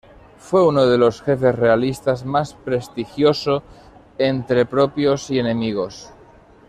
Fue uno de los jefes realistas más prestigioso entre propios y enemigos.